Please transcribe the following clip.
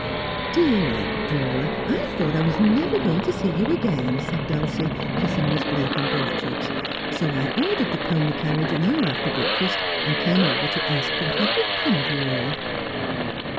' Dear Aunt Dora, I thought I was never going to see you again,' said Dulcie, kissing Miss Blake on both cheeks, 'so I ordered the pony carriage an hour after breakfast, and came over to ask what had become of you all.'